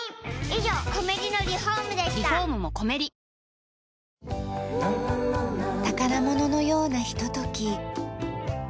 東京海上日動宝物のようなひととき。